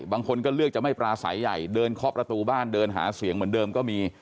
บางคนก็เลือกจะไม่ปราศัยใหญ่เดินเคาะประตูบ้านเดินหาเสียงเหมือนเดิมก็มี